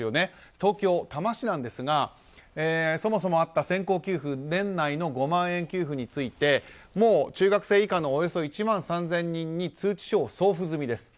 東京・多摩市なんですがそもそもあった先行給付年内の５万円給付についてもう中学生以下のおよそ１万３０００人に通知書を送付済みです。